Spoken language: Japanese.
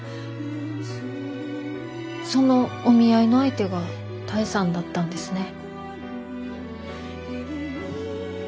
そのお見合いの相手が多江さんだったんですね。